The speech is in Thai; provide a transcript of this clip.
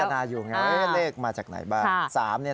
นาอยู่ไงเลขมาจากไหนบ้าง